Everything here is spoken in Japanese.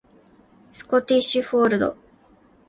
スコティッシュフォールド